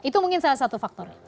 itu mungkin salah satu faktornya